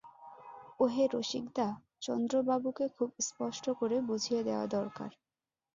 ওহে রসিকদা, চন্দ্রবাবুকে খুব স্পষ্ট করে বুঝিয়ে দেওয়া দরকার।